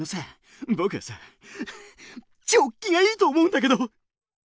ぼくはさチョッキがいいと思うんだけど！